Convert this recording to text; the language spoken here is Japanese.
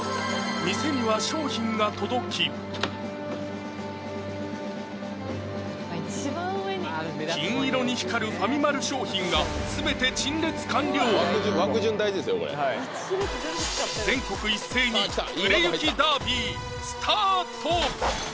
店には商品が届き金色に光るファミマル商品が全て全国一斉に売れ行きダービースタート！